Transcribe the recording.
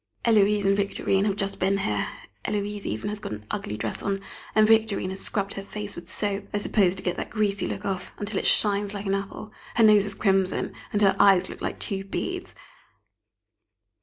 Héloise and Victorine have just been here. Héloise even has got an ugly dress on, and Victorine has scrubbed her face with soap I suppose to get that greasy look off until it shines like an apple, her nose is crimson, and her eyes look like two beads.